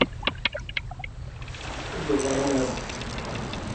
Ala aya ur d-iḍerrun ara.